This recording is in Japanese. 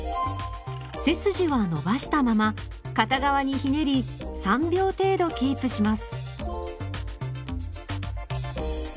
背筋は伸ばしたまま片側にひねり３秒程度キープします。